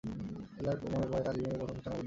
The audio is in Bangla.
এলার মনে পড়ে তার জীবনের প্রথম সূচনা বিদ্রোহের মধ্যে।